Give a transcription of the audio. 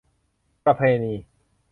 ประเพณี